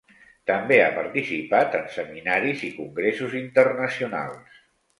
També ha participat en seminaris i congressos internacionals.